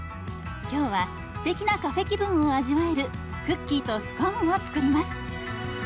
今日はすてきなカフェ気分を味わえるクッキーとスコーンを作ります。